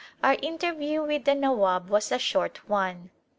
Our interview with the Nawab was a short one.